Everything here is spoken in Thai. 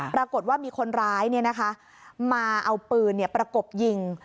ปรากฏว่ามีคนร้ายมาเอาปืนประกบยิง